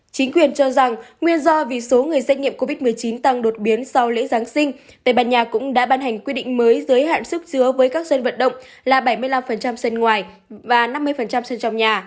chính quyền cho rằng nguyên do vì số người xét nghiệm covid một mươi chín tăng đột biến sau lễ giáng sinh tây ban nha cũng đã ban hành quy định mới giới hạn sức dứa với các sân vận động là bảy mươi năm sân ngoài và năm mươi sân trong nhà